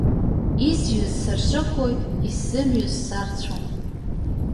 Изҩыз сарҿыхоит, исзымҩыз сарцәом.